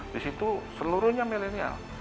di situ seluruhnya millennial